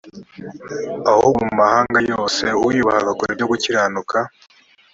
ahubwo mu mahanga yose uyubaha agakora ibyo gukiranuka